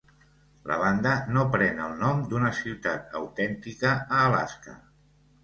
La banda no pren el nom d'una ciutat autèntica a Alaska.